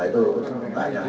silahkan tanya kepada ini ya